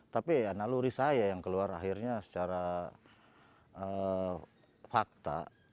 tapi ya naluri saya yang keluar akhirnya secara fakta